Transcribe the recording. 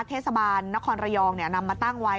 เทศบาลนครระยองนำมาตั้งไว้